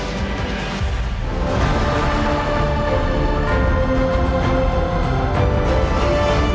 hẹn gặp lại